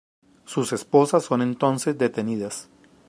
Sus esposas son entonces detenidas.